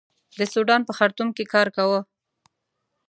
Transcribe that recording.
د سوډان په خرتوم کې کار کاوه.